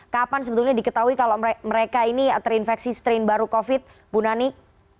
kapan sebetulnya diketahui kalau mereka ini terinfeksi strain baru covid bu nani